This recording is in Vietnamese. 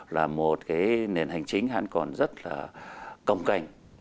là một cái nền hành chính hẳn còn rất là công cành